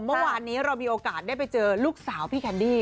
เมื่อวานนี้เรามีโอกาสได้ไปเจอลูกสาวพี่แคนดี้